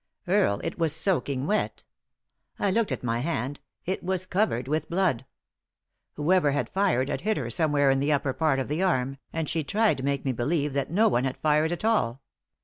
Earle, it was soaking wet 1 I looked at my hand — it was covered with blood. Whoever had fired had hit her somewhere in the upper part of the arm, and she'd tried to make me believe that no one had fired at all."